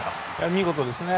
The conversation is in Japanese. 見事ですね。